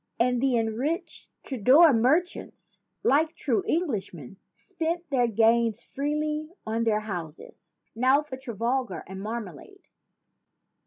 And the enriched Tudor merchants, like true Englishmen, spent their gains freely on their houses. Now for Trafalgar and marmalade."